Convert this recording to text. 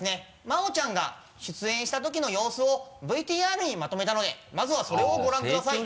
真央ちゃんが出演したときの様子をＶＴＲにまとめたのでまずはそれをご覧ください。